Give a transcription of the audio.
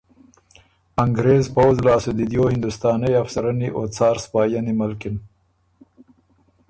انګرېز پؤځ لاسته دی دیو هندوستانئ افسرنی او څار سپاهينی ملکِن۔